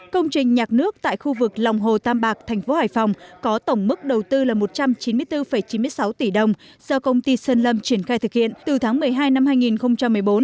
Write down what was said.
công trình nhạc nước tại khu vực lòng hồ tam bạc tp hải phòng có tổng mức đầu tư là một trăm chín mươi bốn chín mươi sáu tỷ đồng do công ty sơn lâm triển khai thực hiện từ tháng một mươi hai năm hai nghìn một mươi bốn